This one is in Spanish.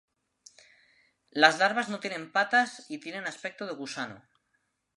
Las larvas no tienen patas y tienen aspecto de gusano.